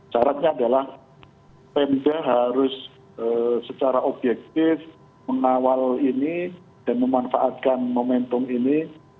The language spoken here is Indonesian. syaratnya adalah pemda harus secara objektif mengawal ini dan memanfaatkan momentum ini